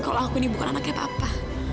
kalau aku ini bukan anaknya papa